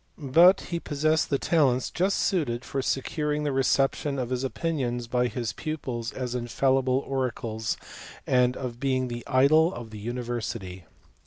But he possessed the talents just suited for securing the reception of his opinions by his pupils as infallible oracles, and of being the idol of the university.